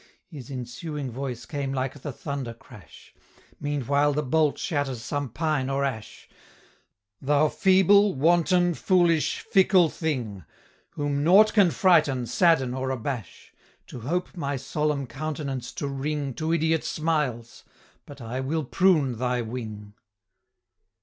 His ensuing voice came like the thunder crash Meanwhile the bolt shatters some pine or ash "Thou feeble, wanton, foolish, fickle thing! Whom nought can frighten, sadden, or abash, To hope my solemn countenance to wring To idiot smiles! but I will prune thy wing!"